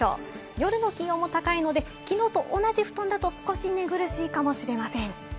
夜の気温も高いので、昨日と同じ布団だと少し寝苦しいかもしれません。